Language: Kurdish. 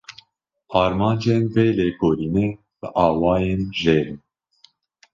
Armancên vê vekolînê bi awayên jêr in: